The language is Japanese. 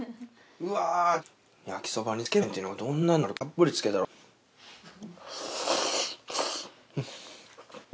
うわっ焼きそばにつけ麺っていうのがどんなんなるかもうたっぷりつけたろもう。